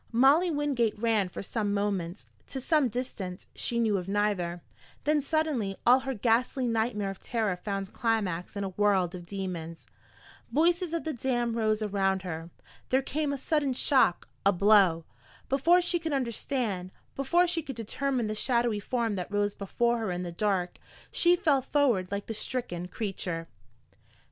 Molly Wingate ran for some moments, to some distance she knew of neither. Then suddenly all her ghastly nightmare of terror found climax in a world of demons. Voices of the damned rose around her. There came a sudden shock, a blow. Before she could understand, before she could determine the shadowy form that rose before her in the dark, she fell forward like the stricken creature.